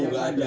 tuh nggak ada